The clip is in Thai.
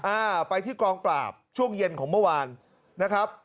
อ่าไปที่กองปราบช่วงเย็นของเมื่อวานนะครับ